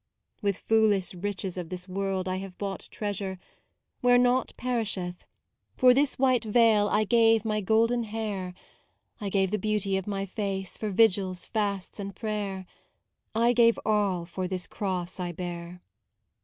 With foolish riches of this world I have bought treasure, where IO4 MAUDE Naught perisheth: for this white veil I gave my golden hair, I gave the beauty of my face For vigils, fasts, and prayer; I gave all for this Cross I bear.